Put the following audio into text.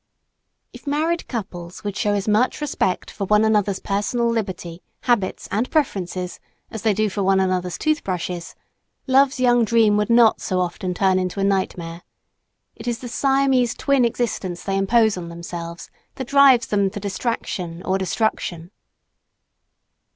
If married couples would show as much respect for one another's personal liberty, habits and preferences as they do for one another's toothbrushes, love's young dream would not so often turn into a nightmare. It is the Siamese twin existence they impose on themselves that drives them to distraction or destruction.